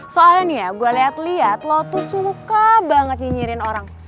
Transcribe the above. soalnya nih ya gue liat liat lo tuh suka banget nyinyirin orang